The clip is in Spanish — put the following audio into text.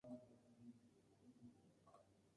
Su poder y belleza se encuentra en la luz.